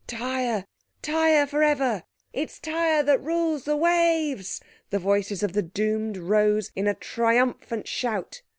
"Tyre, Tyre for ever! It's Tyre that rules the waves!" the voices of the doomed rose in a triumphant shout.